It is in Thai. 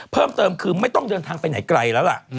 เพิ่มเติมคือไม่ต้องเดินทางไปไหนไกลแล้วล่ะ